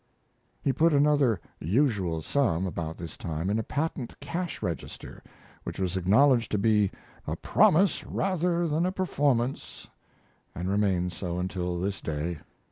He put another "usual sum" about this time in a patent cash register which was acknowledged to be "a promise rather than a performance," and remains so until this day.